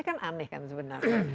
ini kan aneh kan sebenarnya